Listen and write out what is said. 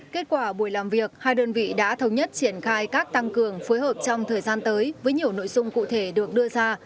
kết quả buổi làm việc hai đơn vị đã thống nhất triển khai các tăng cường phối hợp trong thời gian tới với nhiều nội dung cụ thể được đưa ra